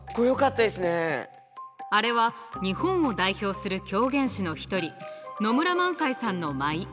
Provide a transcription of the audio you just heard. あれは日本を代表する狂言師の一人野村萬斎さんの舞。